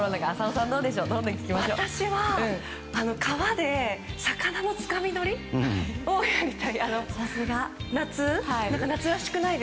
私は川で魚のつかみ取りをやりたい。